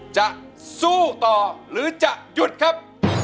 จะสู้ต่อหรือจะหยุดครับ